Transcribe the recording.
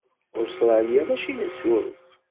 Ustṛalya mačči d asuref.